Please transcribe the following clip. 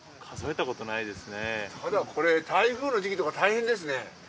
ただこれ台風の時期とか大変ですね。